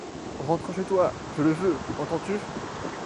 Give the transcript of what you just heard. Rentre chez toi, je le veux, entends-tu !